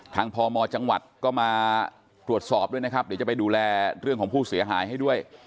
พมจังหวัดก็มาตรวจสอบด้วยนะครับเดี๋ยวจะไปดูแลเรื่องของผู้เสียหายให้ด้วย